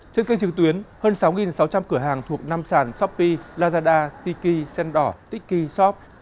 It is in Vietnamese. trên kênh trường tuyến hơn sáu sáu trăm linh cửa hàng thuộc năm sản shopee lazada tiki sendor tiki shop